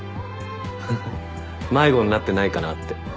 ハハ迷子になってないかなって。